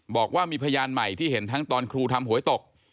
บอกว่ามีพยานใหม่ที่เห็นทั้งตอนครูทำหวยตก